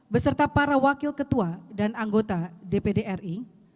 beserta para wakil ketua dan anggota dpd ri